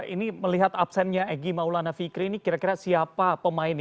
ini melihat absennya egy maulana fikri ini kira kira siapa pemainnya